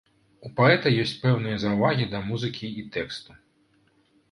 У паэта ёсць пэўныя заўвагі да музыкі і тэксту.